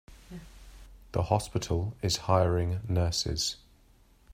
The hospital is hiring nurses.